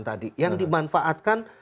tadi yang dimanfaatkan